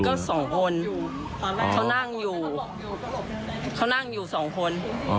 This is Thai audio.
ก็๒คนเขานั่งอยู่๒คน